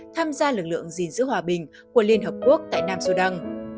tham gia lực lượng gìn giữ hòa bình của liên hợp quốc tại nam sudan